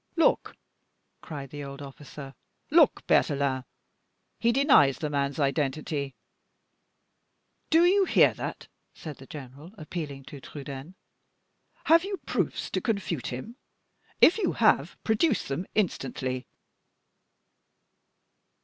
"Look!" cried the old officer; "look, Berthelin; he denies the man's identity." "Do you hear that?" said the general, appealing to Trudaine. "Have you proofs to confute him? If you have, produce them instantly."